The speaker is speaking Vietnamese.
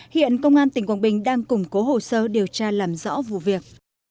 hiện công an tỉnh quảng bình đang củng cố hồ sơ điều tra làm rõ vụ việc